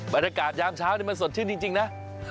บรรยากาศยามเช้านี่มันสดชื่นจริงนะ